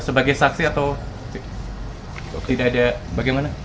sebagai saksi atau tidak ada bagaimana